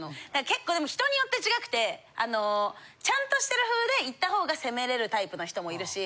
結構でも人によって違くてちゃんとしてる風でいったほうが攻めれるタイプの人もいるし